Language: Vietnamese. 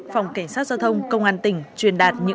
phòng cảnh sát giao thông công an tỉnh